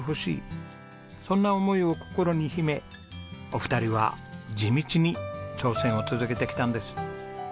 そんな思いを心に秘めお二人は地道に挑戦を続けてきたんです。